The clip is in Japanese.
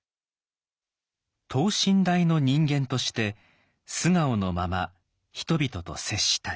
等身大の人間として素顔のまま人々と接したい。